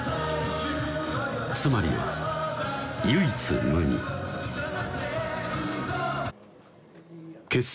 つまりは唯一無二結成